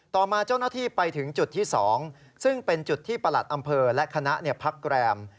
ต่อมาเจ้าหน้าที่ไปถึงจุดที่๒ซึ่งเป็นจุดที่ประหลัดอำเภอและคณะพักแรม